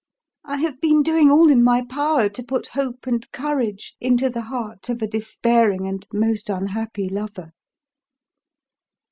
I have been doing all in my power to put hope and courage into the heart of a despairing and most unhappy lover."